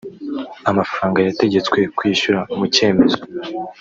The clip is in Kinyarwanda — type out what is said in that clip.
amafaranga yategetswe kwishyura mu cyemezo